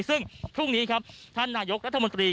ซึ่งพรุ่งนี้ครับท่านนายกรัฐมนตรี